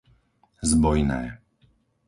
Zbojné